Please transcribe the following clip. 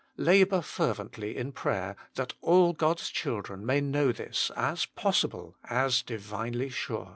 Labour fervently in prayer that all God s children may know this, aa [possible, as divinely sure.